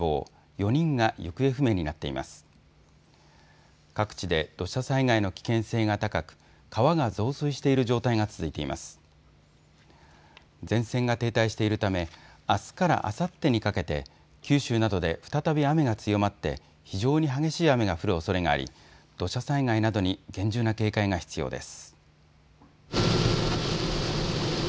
前線が停滞しているためあすからあさってにかけて九州などで再び雨が強まって非常に激しい雨が降るおそれがあり土砂災害などに厳重な警戒が必要です。